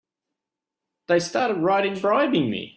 They started right in bribing me!